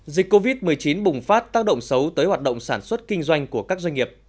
dịch covid một mươi chín bùng phát tác động xấu tới hoạt động sản xuất kinh doanh của các doanh nghiệp